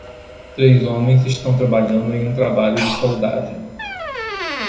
Três homens estão trabalhando em um trabalho de soldagem.